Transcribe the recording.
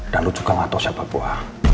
dan lo juga gak tahu siapa gue